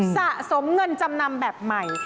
สะสมเงินจำนำแบบใหม่